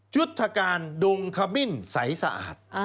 จุฏการดงคมิ้นสายสะอาด